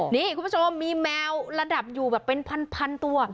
นี่คุณผู้ชมมีแมวระดับอยู่แบบเป็นพันตัว